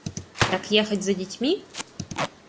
Так ехать за детьми?